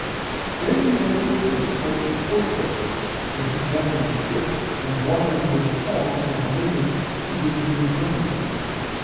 Then he went to a place called Porco, where he watered the ship, and bought a number of hogs of the natives to victual his company.